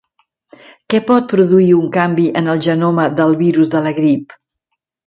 Què pot produir un canvi en el genoma del virus de la grip?